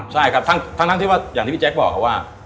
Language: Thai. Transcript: จังหวัดที่คุณกิจบอกว่า